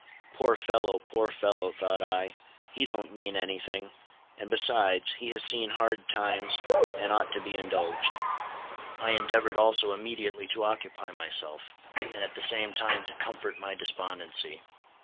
Poor fellow, poor fellow! thought I, he don't mean any thing; and besides, he has seen hard times, and ought to be indulged. I endeavored also immediately to occupy myself, and at the same time to comfort my despondency.